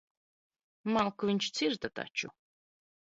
Malku viņš cirta taču.